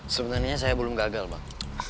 sebenarnya saya belum gagal pak